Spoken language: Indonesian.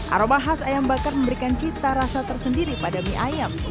aroma khas ayam bakar memberikan cita rasa tersendiri pada mie ayam